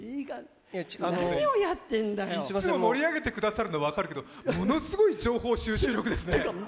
いつも盛り上げてくださるの分かるけどものすごい情報収集力ですね。